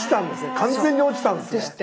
完全に落ちたんですね。